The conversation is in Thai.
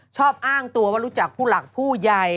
ชอบอ้างตัวว่ารู้จักผู้หลักผู้ใหญ่